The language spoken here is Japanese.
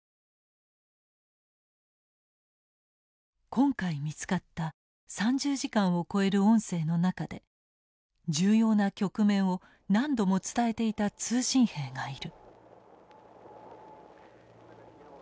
今回見つかった３０時間を超える音声の中で重要な局面を何度も伝えていた通信兵がいる。